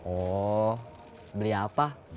oh beli apa